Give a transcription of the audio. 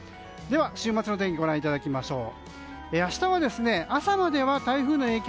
週末の天気をご覧いただきましょう。